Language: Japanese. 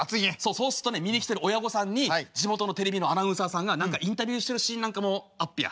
そうすっとね見に来てる親御さんに地元のテレビのアナウンサーさんが何かインタビューしてるシーンなんかもあっぺや。